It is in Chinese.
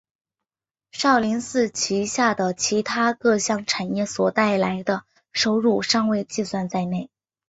少林寺旗下的其它各项产业所带来的收入尚未计算在内。